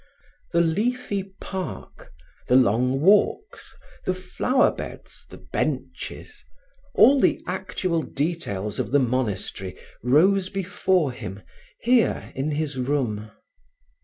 The leafy park, the long walks, the flower beds, the benches all the actual details of the monastery rose before him, here in his room.